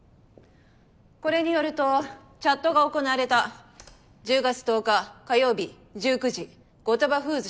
これによるとチャットが行われた１０月１０日火曜日１９時後鳥羽フーズ